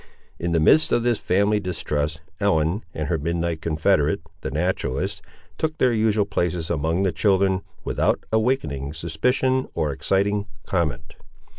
In the midst of this family distrust, Ellen and her midnight confederate, the naturalist, took their usual places among the children, without awakening suspicion or exciting comment.